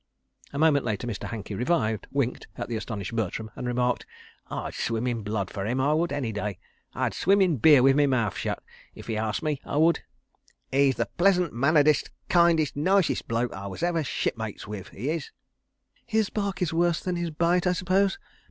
A moment later Mr. Hankey revived, winked at the astonished Bertram, and remarked: "I'd swim in blood fer 'im, I would, any day. I'd swim in beer wi' me mouf shut, if 'e ast me, I would. ... 'E's the pleasant manneredest, kindest, nicest bloke I was ever shipmates wiv, 'e is. .." "His bark is worse than his bite, I suppose?"